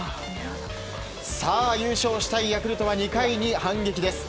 さあ、優勝をしたいヤクルトは２回に反撃です。